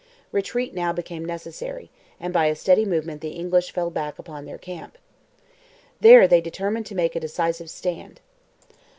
Retreat now became necessary, and by a steady movement the English fell back upon their camp. There they determined to make a decisive stand.